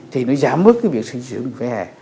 thì nó giảm mức cái việc sử dụng vẻ hẻ